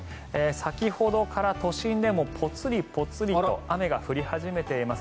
先ほどから、都心でもぽつりぽつりと雨が降り始めています。